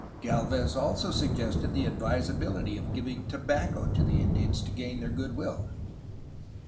Gdlvez also suggested the advisability of giving tobacco to the Indians to gain their good will.